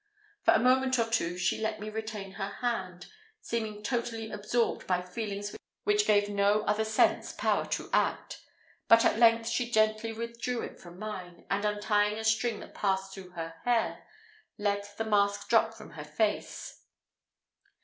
For a moment or two she let me retain her hand, seeming totally absorbed by feelings which gave no other sense power to act; but at length she gently withdrew it from mine, and, untying a string that passed through her hair, let the mask drop from her face.